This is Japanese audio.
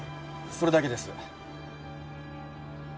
それだけです。